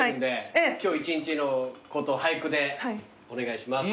ええ。今日一日のこと俳句でお願いします。